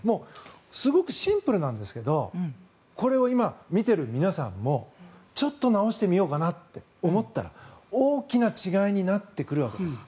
すごくシンプルなんですけどこれを今見ている皆さんもちょっと直してみようかなって思ったら大きな違いになってくるわけです。